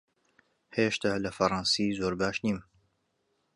هێشتا لە فەڕەنسی زۆر باش نیم.